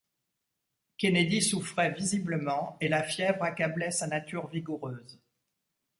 Kennedy souffrait visiblement, et la fièvre accablait sa nature vigoureuse.